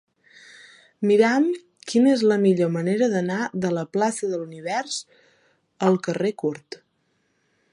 Mira'm quina és la millor manera d'anar de la plaça de l'Univers al carrer Curt.